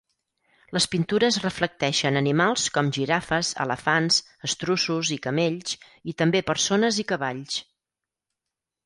Les pintures reflecteixen animals com girafes, elefants, estruços i camells, i també persones i cavalls.